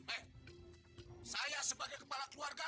eh saya sebagai kepala keluarga